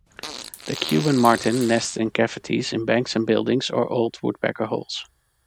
The Cuban martin nests in cavities in banks and buildings, or old woodpecker holes.